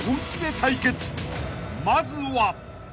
［まずは］